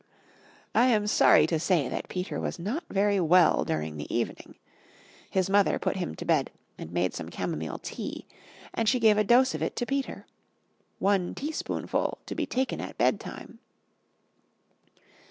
I am sorry to say that Peter was not very well during the evening. His mother put him to bed and made some camomile tea; and she gave a dose of it to Peter! "One teaspoonful to be taken at bedtime."